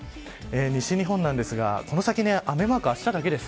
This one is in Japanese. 西日本なんですがこの先雨マーク、あしただけです。